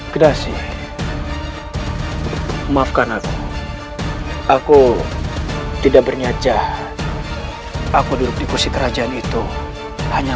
gerasi maafkan aku aku tidak bernicah aku duduk di kursi kerajaan itu hanya